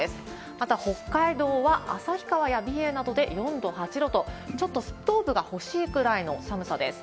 また北海道は旭川や美瑛などで４度、８度と、ちょっとストーブが欲しいぐらいの寒さです。